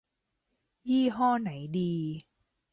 ยี่ห้อไหนดี